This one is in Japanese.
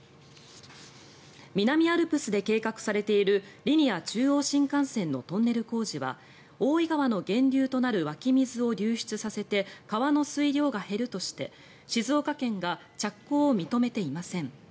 南アルプスで計画されているリニア中央新幹線のトンネル工事は大井川の源流となる湧き水を流出させて川の水量が減るとして静岡県が着工を認めていません。